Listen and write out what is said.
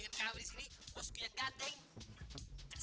kemarin coba langkot